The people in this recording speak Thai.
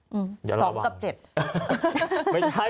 ไม่ใช่ระวังยังซื้อเยอะสิ